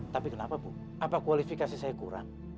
tapi kenapa bu apa kualifikasi saya kurang